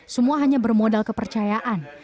semua hanya bermodal kepercayaan